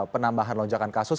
penambahan lonjakan kasus